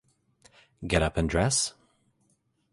Get up and dress?